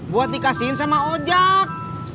buat dikasihin sama ojak